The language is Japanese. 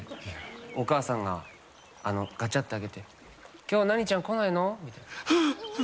お母さんが、ガチャッて開けて今日、何ちゃん来ないの？って。